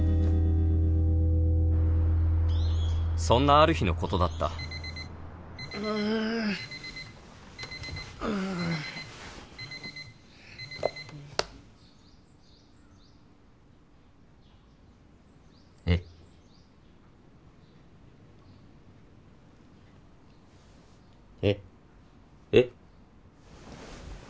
そんなある日のことだったんん。え？え？え？え？